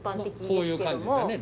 こういう感じですよね